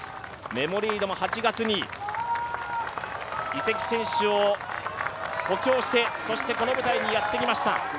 メモリードも８月に移籍選手を補強して、この舞台にやってきました。